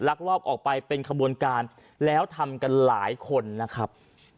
ลอบออกไปเป็นขบวนการแล้วทำกันหลายคนนะครับ